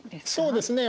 そうですね